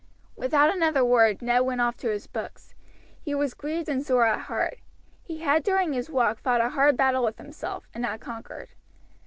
Without another word Ned went off to his books. He was grieved and sore at heart. He had during his walk fought a hard battle with himself, and had conquered.